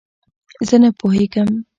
زه نه پوهېږم